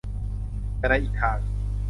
แต่ในอีกทาง